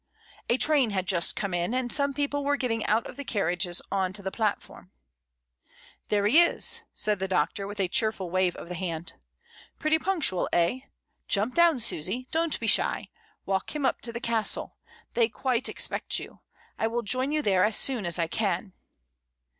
A train had just come in, and some people were getting out of the carriages on to the platform. "There he is!" said the Doctor, with a cheerful wave of the hand. "Pretty punctual, eh? Jump down, Susy, don't be shy; walk him up to the Castle. They quite expect you. I will join you there as soon as I can."